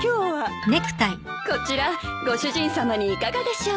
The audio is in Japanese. こちらご主人さまにいかがでしょう。